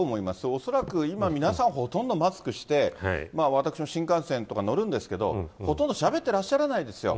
恐らく、今皆さんほとんどマスクして、私も新幹線とか乗るんですけど、ほとんどしゃべってらっしゃらないですよ。